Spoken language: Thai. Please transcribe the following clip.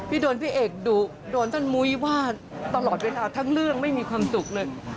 พี่โดนพี่เอกดุโดนท่านมุ้ยว่าตลอดเวลาทั้งเรื่องไม่มีความสุขเลย